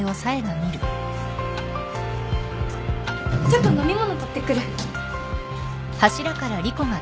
ちょっと飲み物取ってくる。